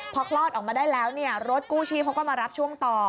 พอคลอดออกมาได้แล้วเนี่ยรถกู้ชีพเขาก็มารับช่วงต่อ